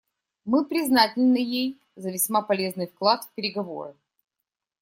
Мы признательны ей за весьма полезный вклад в переговоры.